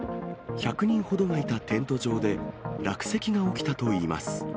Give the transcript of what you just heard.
１００人ほどがいたテント場で、落石が起きたといいます。